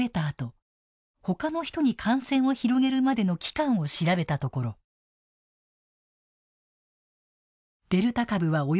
あとほかの人に感染を広げるまでの期間を調べたところデルタ株は、